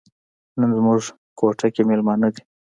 نن زموږ کوټه کې میلمانه دي.